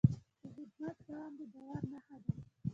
د خدمت دوام د باور نښه ده.